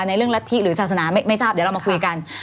ในเรื่องรัฐธิหรือศาสนาไม่ทราบเดี๋ยวเรามาคุยกัน